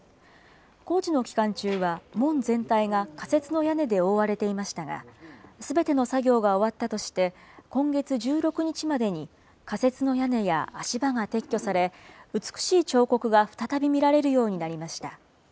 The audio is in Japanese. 工事の期間中は、門全体が仮設の屋根で覆われていましたが、すべての作業が終わったとして、今月１６日までに仮設の屋根や足場が撤去され、美しい彫刻が再び見られるようになりました。